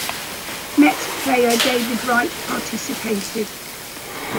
Mets player David Wright participated.